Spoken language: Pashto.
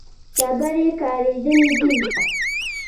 ډبرې کارېدلې دي.